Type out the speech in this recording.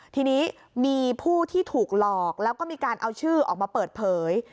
ทีนี้มีผู้ที่ถูกหลอกแล้วก็มีการเอาชื่อออกมาเปิดเผย